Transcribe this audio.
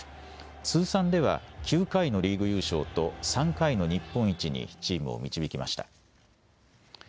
通算では９回のリーグ優勝と３回の日本一にチームを導きました。